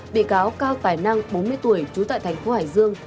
bị cáo cao tài năng bốn mươi tuổi trú tại thành phố hải dương